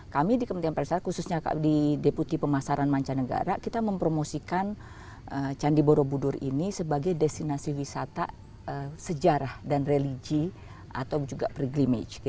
kami di kementerian pariwisata khususnya di deputi pemasaran mancanegara kita mempromosikan candi borobudur ini sebagai destinasi wisata sejarah dan religi atau juga preglimage